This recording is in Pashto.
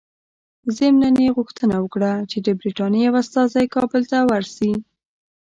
ضمناً یې غوښتنه وکړه چې د برټانیې یو استازی کابل ته ورسي.